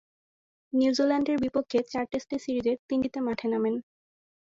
নিউজিল্যান্ডের বিপক্ষে চার টেস্টের সিরিজের তিনটিতে মাঠে নামেন।